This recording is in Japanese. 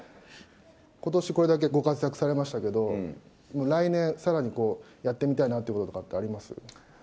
ことしこれだけご活躍されましたけど、来年、さらにやってみたいなっていうこととかあります？